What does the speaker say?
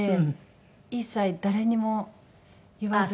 一切誰にも言わずに。